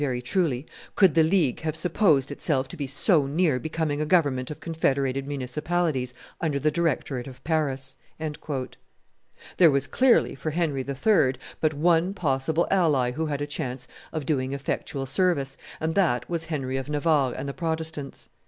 p. 134] very truly, "could the League have supposed itself to be so near becoming a government of confederated municipalities under the directorate of Paris." There was clearly for Henry III. but one possible ally who had a chance of doing effectual service, and that was Henry of Navarre and the Protestants.